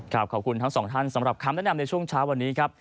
ขอบคุณทั้งสองท่านสำหรับคำแนะนำในช่วงเช้าวันนี้ครับ